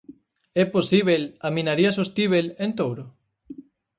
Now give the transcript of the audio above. É posíbel a "minaría sostíbel" en Touro?